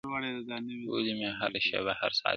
ولي مي هره شېبه، هر ساعت پر اور کړوې,